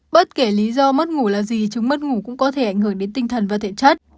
bất kể lý do mất ngủ là gì chúng mất ngủ cũng có thể ảnh hưởng đến tinh thần và thể chất